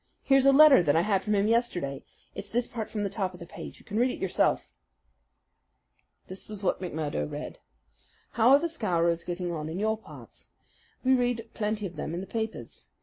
Here's a letter that I had from him yesterday. It's this part from the top of the page. You can read it yourself." This was what McMurdo read: How are the Scowrers getting on in your parts? We read plenty of them in the papers.